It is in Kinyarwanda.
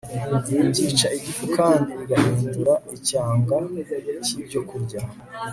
ibi byica igifu kandi bigahindura icyanga cy'ibyokurya